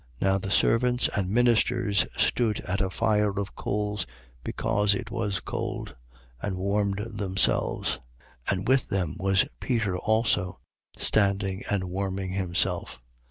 18:18. Now the servants and ministers stood at a fire of coals, because it was cold, and warmed themselves. And with them was Peter also, standing and warming himself.